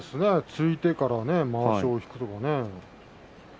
突いてから、まわしを引くとかね。